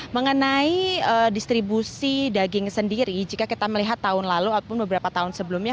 mengenai distribusi daging sendiri jika kita melihat tahun lalu ataupun beberapa tahun sebelumnya